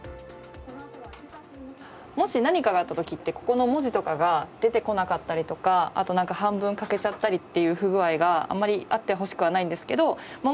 もし何かがあった時ってここの文字とかが出てこなかったりとかあと半分かけちゃったりっていう不具合があまりあってほしくはないんですけどま